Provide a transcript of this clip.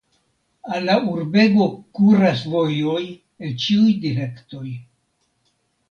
Al la urbego kuras vojoj el ĉiuj direktoj.